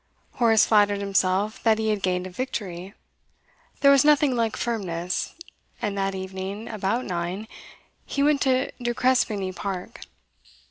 Horace flattered himself that he had gained a victory. There was nothing like 'firmness,' and that evening, about nine, he went to De Crespigny Park.